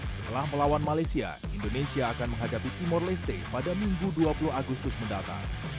setelah melawan malaysia indonesia akan menghadapi timor leste pada minggu dua puluh agustus mendatang